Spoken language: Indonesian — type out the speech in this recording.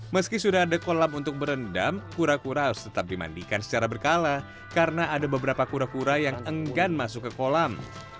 meski sudah ada kolam untuk berendam kura kura harus tetap dimandikan secara berkala karena ada beberapa kura kura yang enggan masuk ke kolam